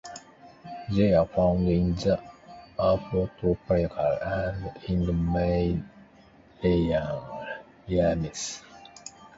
They are found in the Afrotropical and Indomalayan realms.